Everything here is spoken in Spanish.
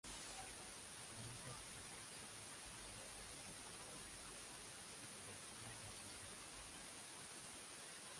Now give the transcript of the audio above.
Organiza sucesivos eventos culturales para acercar entre sí la locura y la sociedad.